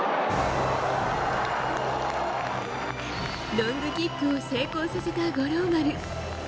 ロングキックを成功させた五郎丸。